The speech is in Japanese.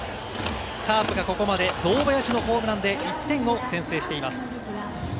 カープがここまで堂林のホームランで１点を先制しています。